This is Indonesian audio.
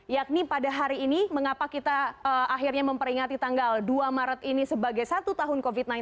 yakni pada hari ini mengapa kita akhirnya memperingati tanggal dua maret ini sebagai satu tahun covid sembilan belas